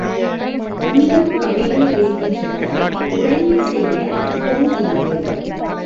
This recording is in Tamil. உமியும் கரியும் இருக்கின்றன உடைமை செய்யப் பொன் இல்லை.